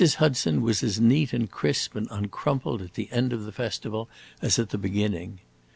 Hudson was as neat and crisp and uncrumpled at the end of the festival as at the beginning.